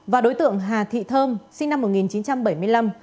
và đối tượng hà thị thơm sinh năm một nghìn chín trăm bảy mươi năm